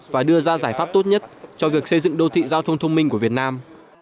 và đưa ra giải pháp tốt nhất cho việc xây dựng đô thị giao thông thông minh của việt nam